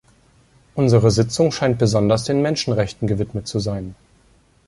Unsere Sitzung scheint besonders den Menschenrechten gewidmet zu sein.